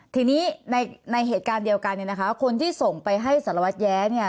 ทีนี้ในเหตุการณ์เดียวกันเนี่ยนะคะคนที่ส่งไปให้สารวัตรแย้เนี่ย